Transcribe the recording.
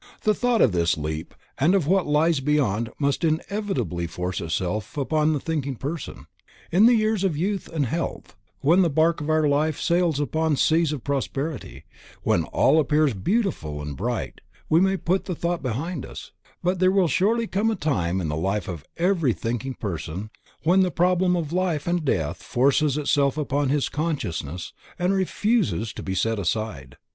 The thought of this leap and of what lies beyond must inevitably force itself upon every thinking person. In the years of youth and health, when the bark of our life sails upon seas of prosperity, when all appears beautiful and bright, we may put the thought behind us, but there will surely come a time in the life of every thinking person when the problem of life and death forces itself upon his consciousness and refuses to be set aside.